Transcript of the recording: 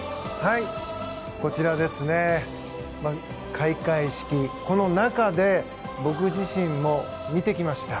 こちらですね開会式、この中で僕自身も見てきました。